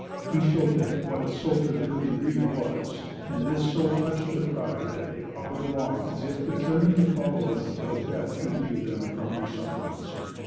He showed them what a soldier's duty really was, and this so touched their pride that they hobbled along as if determined to follow him until death relieved them from their sufferings.